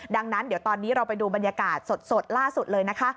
ดังนั้นเดี๋ยวตอนนี้เราไปดูบรรยากาศสดล่าสุดเลยนะคะ